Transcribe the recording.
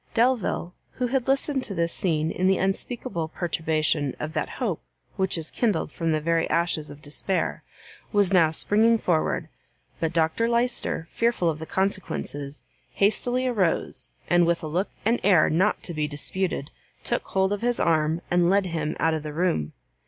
Delvile, who had listened to this scene in the unspeakable perturbation of that hope which is kindled from the very ashes of despair, was now springing forward; but Dr Lyster, fearful of the consequences, hastily arose, and with a look and air not to be disputed, took hold of his arm, and led him out of the room.